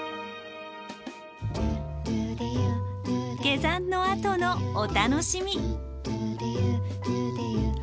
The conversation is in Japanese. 下山のあとのお楽しみ。